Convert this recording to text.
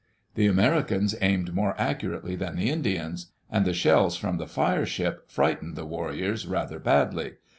The Americans aimed more accurately than the Indians. And the shells from the " fire ship *' frightened the warriors rather badly.